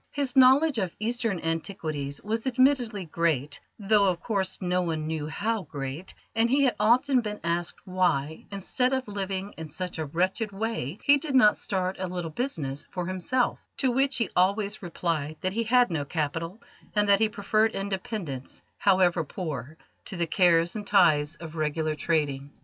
His knowledge of Eastern antiquities was admittedly great, though, of course, no one knew how great, and he had often been asked why, instead of living in such a wretched way, he did not start a little business for himself; to which he always replied that he had no capital, and that he preferred independence, however poor, to the cares and ties of regular trading.